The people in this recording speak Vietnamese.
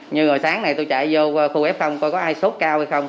như rồi sáng này tôi chạy vô khu f coi có ai sốt cao hay không